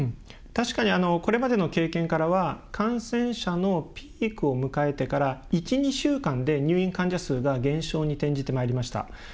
確かにこれまでの経験からは感染者のピークを迎えてから１２週間で、入院者数が減少に転じてきました。